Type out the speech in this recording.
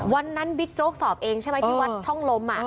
บิ๊กโจ๊กสอบเองใช่ไหมที่วัดช่องลม